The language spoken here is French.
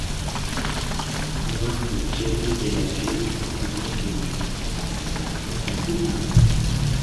Marthe Thiéry est la fille du comédien d'origine française Antoine Godeau.